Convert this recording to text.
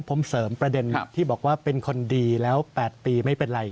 ผมเสริมประเด็นที่บอกว่าเป็นคนดีแล้ว๘ปีไม่เป็นไร